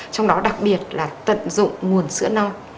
trong đó đặc biệt là tận dụng nguồn sữa no